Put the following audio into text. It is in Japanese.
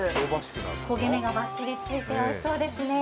焦げ目がバッチリついておいしそうですね。